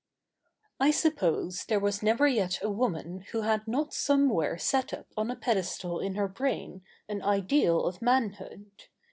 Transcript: I suppose there was never yet a woman who had not somewhere set up on a pedestal in her brain an ideal of manhood.